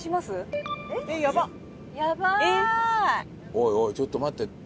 おいおいちょっと待って。